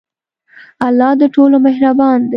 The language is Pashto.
الله د ټولو مهربان دی.